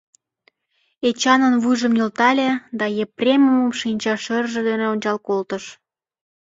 Эчанын вуйжым нӧлтале да Епремым шинча шӧржӧ дене ончал колтыш.